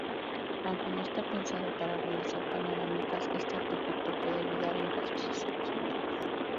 Aunque no está pensado para realizar panorámicas, este artefacto puede ayudar en casos excepcionales.